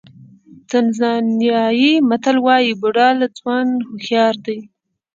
تانزانیايي متل وایي بوډا له ځوان هوښیار دی.